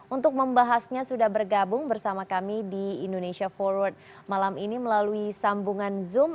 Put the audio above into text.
untuk membahasnya sudah bergabung bersama kami di indonesia forward malam ini melalui sambungan zoom